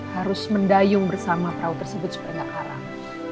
harus mendayung bersama perahu tersebut supaya nggak haram